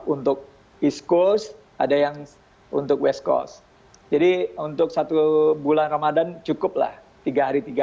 untuk east coast ada yang untuk west coast jadi untuk satu bulan ramadan cukuplah tiga hari tiga